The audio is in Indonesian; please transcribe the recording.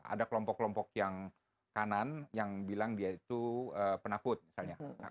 ada kelompok kelompok yang kanan yang bilang dia itu penakut misalnya